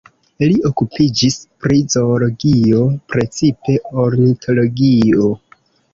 Li okupiĝis pri zoologio, precipe ornitologio.